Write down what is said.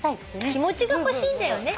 気持ちが欲しいんだよね。